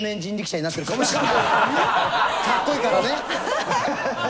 かっこいいからね。